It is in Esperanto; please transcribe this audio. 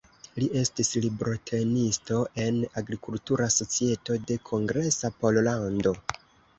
Li estis librotenisto en Agrikultura Societo de Kongresa Pollando.